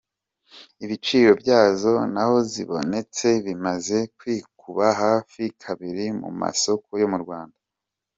Ibiciro byazo n’aho zibonetse bimaze kwikuba hafi kabiri mu masoko yo mu Rwanda.